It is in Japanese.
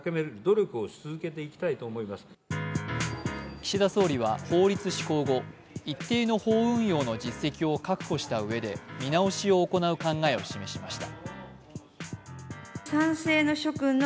岸田総理は法律施行後、一定の法運用の実績を確保したうえで見直しを行う考えを示しました。